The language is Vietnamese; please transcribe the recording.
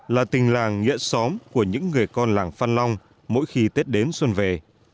là tình làng nghĩa xóm của những người con làng phan long mỗi khi tết đến xuân về